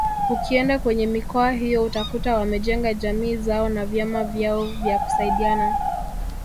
Ukienda kwenye mikoa hiyo utakuta wamejenga jamii zao na vyama vyao vya kusaidiana